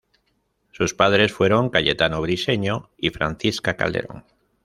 Sus padres fueron Cayetano Briseño y Francisca Calderón.